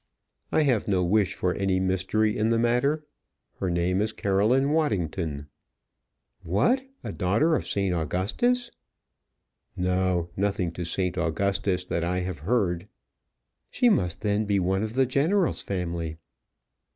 I have no wish for any mystery in the matter. Her name is Caroline Waddington." "What! a daughter of Sir Augustus?" "No; nothing to Sir Augustus, that I have heard." "She must, then, be one of the General's family?"